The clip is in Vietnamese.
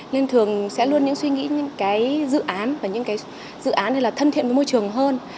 nên thường sẽ luôn suy nghĩ những cái dự án và những cái dự án thân thiện với môi trường hơn